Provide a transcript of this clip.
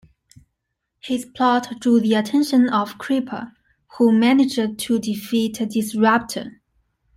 His plot drew the attention of Creeper who managed to defeat Disruptor.